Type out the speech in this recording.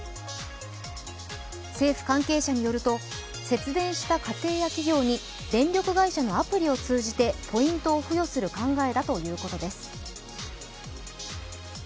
政府関係者によると、節電した家庭や企業に電力会社のアプリを通じてポイントを付与する考えだということです。